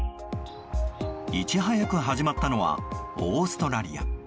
いち早く始まったのはオーストラリア。